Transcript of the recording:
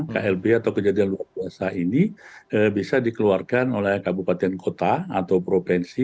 klb atau kejadian luar biasa ini bisa dikeluarkan oleh kabupaten kota atau provinsi